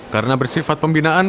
karena bersifat pembinaan